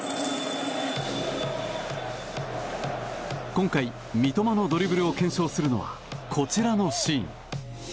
今回、三笘のドリブルを検証するのはこちらのシーン。